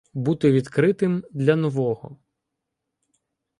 Бути відкритим для нового